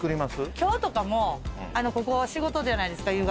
今日とかもここ仕事じゃないですか夕方。